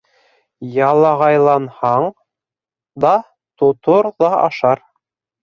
Ялағайланһаң да, тотор ҙа ашар!